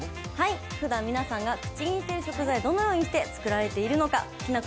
ふだん皆さんが口にしている食材、どのようにして作られているのでしょうか。